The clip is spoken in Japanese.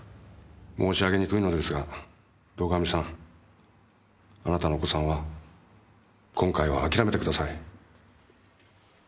申し上げにくいのですが堂上さんあなたのお子さんは今回は諦めてください。